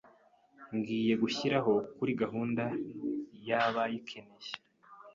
Ngiye kugushyira kuri gahunda y’abayikeneye